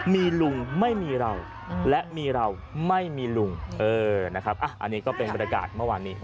มีลุงไม่มีเราและมีเราไม่มีลุงเออนะครับอันนี้ก็เป็นบรรยากาศเมื่อวานนี้